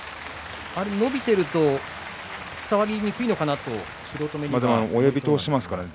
伸びていると、伝わりにくいのかなと思うんですけども。